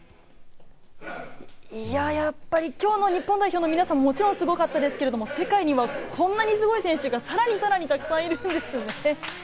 やっぱり今日の日本代表の皆さん、もちろんすごかったですけれども、世界にもこんなにすごい選手がさらにさらに、たくさんいるんですね。